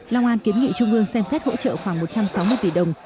long an kiến nghị trung ương xem xét hỗ trợ khoảng một trăm sáu mươi tỷ đồng